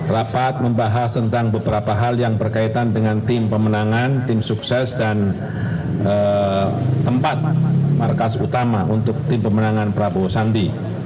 rapat membahas tentang beberapa hal yang berkaitan dengan tim pemenangan tim sukses dan tempat markas utama untuk tim pemenangan prabowo sandi